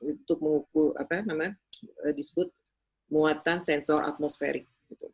untuk mengukur apa namanya disebut muatan sensor atmosferik